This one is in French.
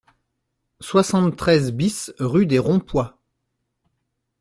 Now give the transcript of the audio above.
soixante-treize BIS rue des Rompois